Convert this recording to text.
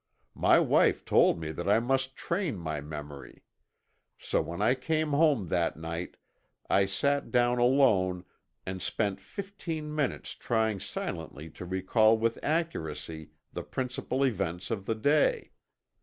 My wife told me that I must train my memory. So when I came home that night I sat down alone and spent fifteen minutes trying silently to recall with accuracy the principal events of the day.